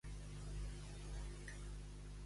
S'han de tornar més comptes a la gent que a Déu.